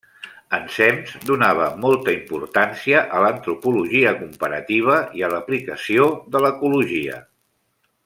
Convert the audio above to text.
Ensems donava molta importància a l'antropologia comparativa i a l'aplicació de l'ecologia.